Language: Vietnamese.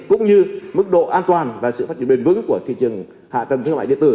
cũng như mức độ an toàn và sự phát triển bền vững của thị trường hạ tầng thương mại điện tử